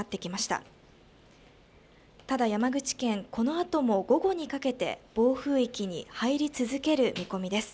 ただ、山口県、このあとも午後にかけて暴風域に入り続ける見込みです。